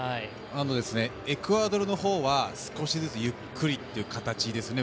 エクアドルの方は少しずつゆっくりという形ですね。